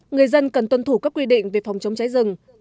người dân cần tuân thủ các quy định về phòng chống cháy rừng